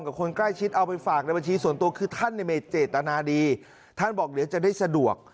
กับคนใกล้ชิดเอาไปฝากในบัญชีส่วนตัวคือท่านมีเจตนาดีท่านบอกเดี๋ยวจะได้สะดวก